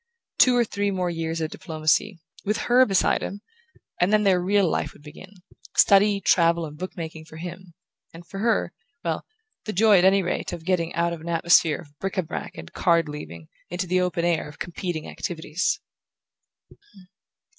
Two or three more years of diplomacy with her beside him! and then their real life would begin: study, travel and book making for him, and for her well, the joy, at any rate, of getting out of an atmosphere of bric a brac and card leaving into the open air of competing activities.